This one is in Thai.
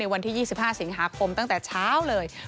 วันที่๒๕สิงหาคมตั้งแต่เช้าเลย